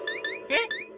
え？